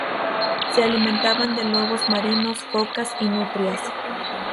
Se alimentaban de lobos marinos, focas y nutrias.